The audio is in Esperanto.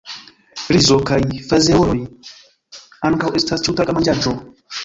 Rizo kaj fazeoloj ankaŭ estas ĉiutaga manĝaĵo.